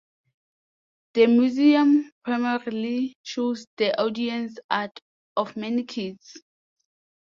The museum primarily shows the audience art of many kinds.